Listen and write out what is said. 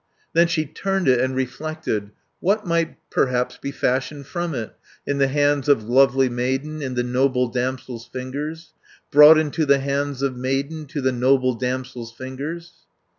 "Then she turned it and reflected: 'What might perhaps be fashioned from it, 200 In the hands of lovely maiden, In the noble damsel's fingers, Brought into the hands of maiden, To the noble damsel's fingers?'